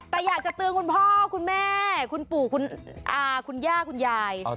แต่อยากจะเตือนคุณพ่อคุณแม่คุณปู่คุณย่าคุณยาย